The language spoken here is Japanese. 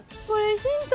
ヒント